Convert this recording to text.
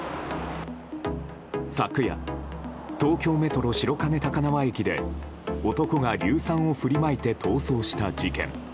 昨夜、東京メトロ白金高輪駅で男が硫酸を振りまいて逃走した事件。